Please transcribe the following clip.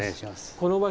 この場所